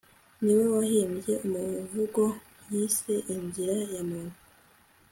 niwe wahimbye umuvugo yise inzira ya muntu